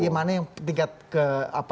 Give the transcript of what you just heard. yang mana yang tingkat ke apa